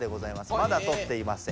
まだとっていません。